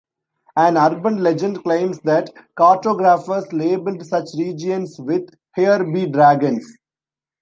An urban legend claims that cartographers labelled such regions with "Here be dragons".